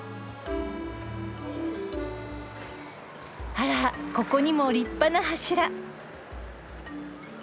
あらここにも立派な柱。